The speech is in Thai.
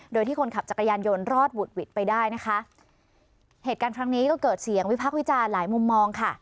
โดยที่คนขับจักรยานยนต์รอดหวุดหวิดไปได้นะคะเหตุการณ์ครั้งนี้ก็เกิดเสียงวิพักษ์วิจารณ์หลายมุมมองค่ะ